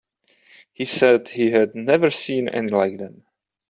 He said he had never seen any like them.